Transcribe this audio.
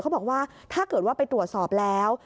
เขาบอกว่าถ้าเกิดว่าไปตรวจสอบแล้ว